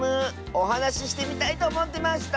おはなししてみたいとおもってました。